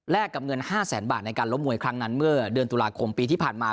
และกับเงิน๕แสนบาทในการล้มมวยครั้งนั้นเมื่อเดือนตุลาคมปีที่ผ่านมา